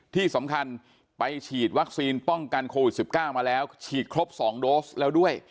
ที่สำคัญไปฉีดวัคซีนป้องกันโควิด๑๙มาแล้วฉีดครบ๒โดสแล้วด้วย